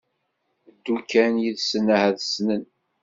ddu kan yid-sen ahat ssnen